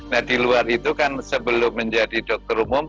nah di luar itu kan sebelum menjadi dokter umum